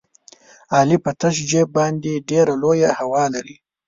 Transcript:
علي په تش جېب باندې ډېره لویه هوا لري.